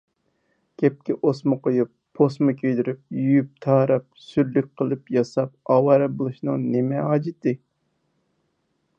گەپكە ئوسما قويۇپ، پوسما كىيدۈرۈپ، يۇيۇپ - تاراپ، سۈرلۈك قىلىپ ياساپ ئاۋارە بولۇشنىڭ نېمە ھاجىتى؟